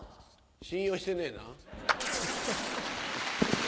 信用してねえな。